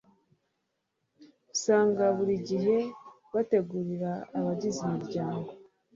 usanga buri gihe bategurira abagize imiryango